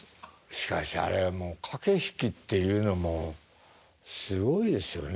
しかしあれはもう駆け引きっていうのもすごいですよね